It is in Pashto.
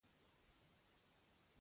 چیني به حتمي دا ویلي وي په زړه کې.